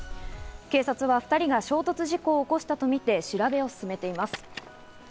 警察は２人が衝突事故を起こしたとみて調べを進めています。